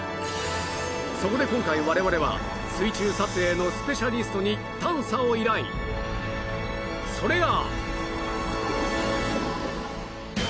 そこで今回われわれは水中撮影のスペシャリストに探査を依頼それが！